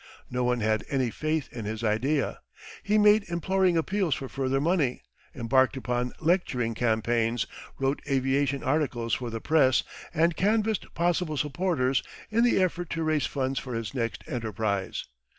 No one had any faith in his idea. He made imploring appeals for further money, embarked upon lecturing campaigns, wrote aviation articles for the Press, and canvassed possible supporters in the effort to raise funds for his next enterprise.